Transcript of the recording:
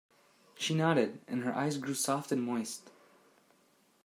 She nodded, and her eyes grew soft and moist.